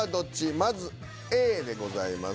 まずＡでございます。